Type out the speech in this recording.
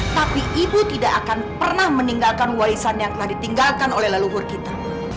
tapi ibu tidak akan pernah meninggalkan waisan yang telah ditinggalkan oleh leluhur kita